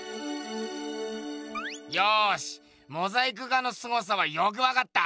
よしモザイク画のすごさはよく分かった。